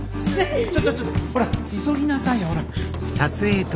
ちょっとちょっとほら急ぎなさいよほら。